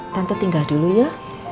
tante tinggal dulu ya